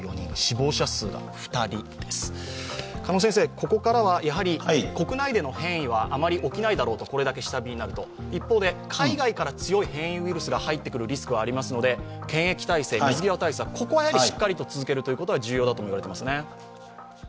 ここからは国内での変異はあまり起きないだろうとこれだけ下火になると一方で、海外から強い変異ウイルスが入ってくるリスクはありますので、検疫体制、水際対策をしっかり続けることは重要だと言われていますね。